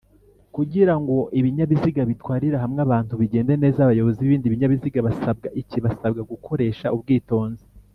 Kugirango Ibinyabiziga bitwarira hamwe abantu bigenda neza abayobozi b’ibindi binyabiziga basabwa iki?basabwa gukoresha ubwitonzi